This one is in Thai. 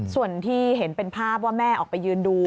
ส่วนที่เห็นเป็นภาพว่าแม่ออกไปยืนดู